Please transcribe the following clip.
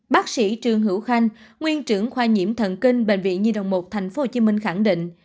bác sĩ trương hữu khanh nguyên trưởng khoa nhiễm thần kinh bệnh viện nhi đồng một tp hcm khẳng định